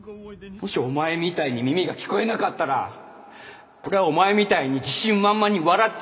もしお前みたいに耳が聞こえなかったら俺はお前みたいに自信満々に笑って生きられない！